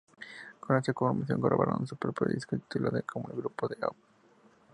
Con esta formación grabaron su primer disco, titulado como el grupo, "Om".